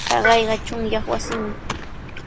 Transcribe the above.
Taqayqa chunyaq wasimi.